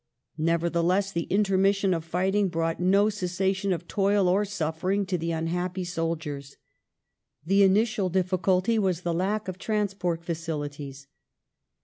Nevertheless, the intermission of fighting brought no cessation of toil or suffering to the unhappy soldiers. The initial difficulty was the lack of transport facilities.